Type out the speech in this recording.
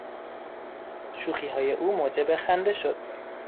شوخیهای او موجب خنده شد.